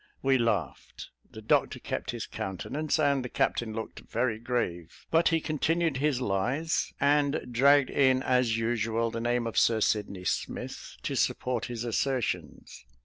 We laughed; the doctor kept his countenance; and the captain looked very grave; but he continued his lies, and dragged in as usual the name of Sir Sydney Smith to support his assertions.